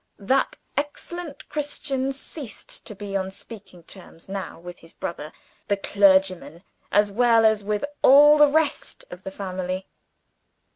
That excellent Christian ceased to be on speaking terms now with his brother the clergyman, as well as with all the rest of the family.